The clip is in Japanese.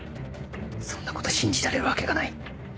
そんなこと信じられるわけがない。